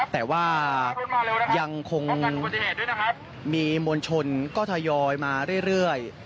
แต่ว่ายังคงมีมวลชนก็ทยอยมาเรื่อย